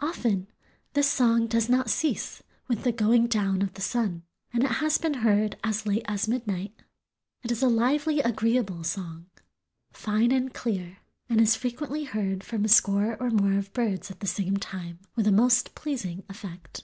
Often this song does not cease with the going down of the sun, and it has been heard as late as midnight. It is a "lively, agreeable song, fine and clear, and is frequently heard from a score or more of birds at the same time with a most pleasing effect."